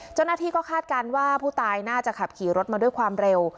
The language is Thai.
เจ้าหน้าที่ก็คาดการณ์ว่าผู้ตายน่าจะขับขี่รถมาด้วยความเร็ว